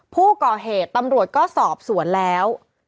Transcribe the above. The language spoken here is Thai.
ผู้ก่อเหตุตำรวจก็สอบสวนแล้ว